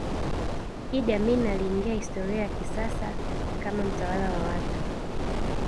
Idi Amin aliingia historia ya kisasa kama mtawala wa watu